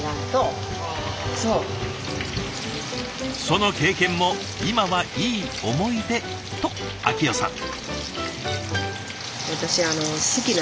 「その経験も今はいい思い出」と明代さん。